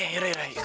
yurah yurah ya